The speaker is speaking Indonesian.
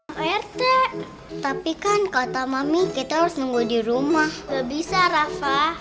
hai rt tapi kan kota mami kita harus nunggu di rumah bisa rafa